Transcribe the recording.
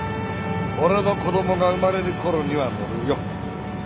俺の子供が生まれるころには載るよ。